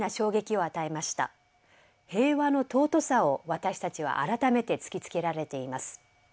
平和の尊さを私たちは改めて突きつけられています。